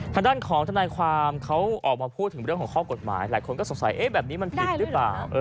ทางด้านของทนายความเขาออกมาพูดถึงเรื่องของข้อกฎหมายหลายคนก็สงสัยแบบนี้มันผิดหรือเปล่า